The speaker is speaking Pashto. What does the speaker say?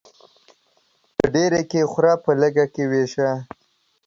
په ډيري کې خوره ، په لږي کې ويشه.